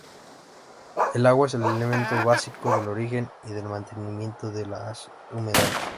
El agua es el elemento básico del origen y del mantenimiento de los humedales.